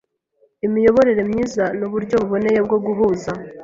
Imiyoborere myiza ni uburyo buboneye bwo guhuza